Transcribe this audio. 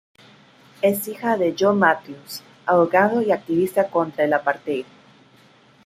Es hija de Joe Matthews, abogado y activista contra el apartheid.